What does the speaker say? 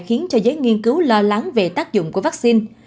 khiến cho giới nghiên cứu lo lắng về tác dụng của vaccine